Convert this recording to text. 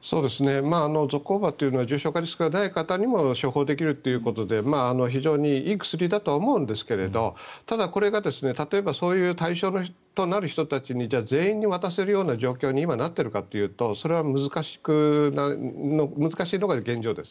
ゾコーバというのは重症化リスクのない方にも処方できるということで非常にいい薬だとは思うんですがただ、これが例えばそういう対象となる人たちにじゃあ全員に渡せるような状況になっているかというとそれは難しいのが現状です。